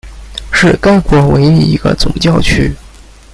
是该国唯一一个总教区。